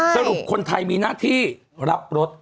สรุปคนไทยมีหน้าที่รับรถ